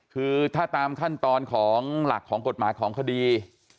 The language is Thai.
คือถ้าตามขั้นตอนของหลักของกฎหมายของคดี